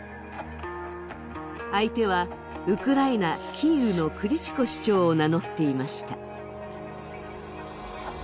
相手はウクライナ・キーウのクリチコ市長を名乗っていました。